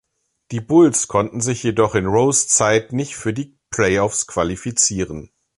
Die Bulls konnten sich jedoch in Rose Zeit nicht für die Playoffs qualifizieren.